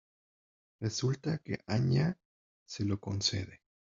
Resulta que Anya se lo concede.